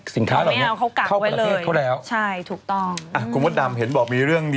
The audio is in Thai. สินค้าเข้าประเภทเขาแล้ว